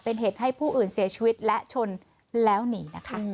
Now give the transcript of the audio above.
เป็นเหตุให้ผู้อื่นเสียชีวิตและชนแล้วหนีนะคะ